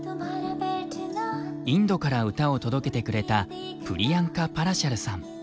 インドから歌を届けてくれたプリヤンカ・パラシャルさん。